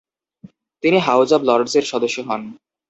তিনি house of লর্ডসের সদস্য হন।